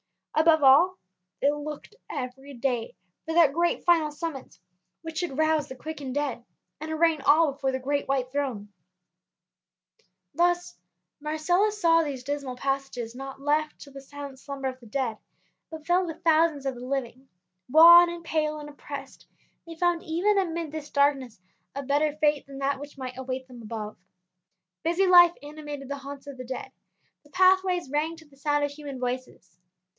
Above all, they looked every day for that great final summons which should rouse the quick and dead, and arraign all before the great white throne. Thus Marcellus saw these dismal passages not left to the silent slumber of the dead, but filled with thousands of the living. Wan and pale and oppressed, they found even amid this darkness a better fate than that which might await them above. Busy life animated the haunts of the dead; the pathways rang to the sound of human voices.